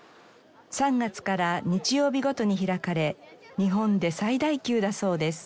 ３月から日曜日ごとに開かれ日本で最大級だそうです。